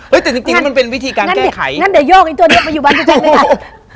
เฮ้ยแต่จริงมันเป็นวิธีการแก้ไขนั่นเดี๋ยวโยกอีกตัวเนี้ยมาอยู่บ้านกูแจกด้วยกัน